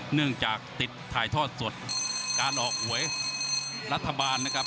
เนื่องจากติดถ่ายทอดสดการออกหวยรัฐบาลนะครับ